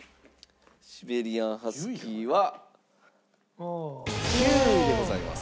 シベリアン・ハスキーは９位でございます。